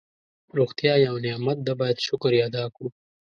روغتیا یو نعمت ده باید شکر یې ادا کړو.